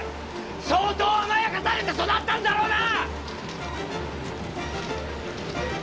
相当甘やかされて育ったんだろうな！